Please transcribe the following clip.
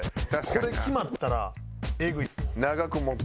これ決まったらえぐいです。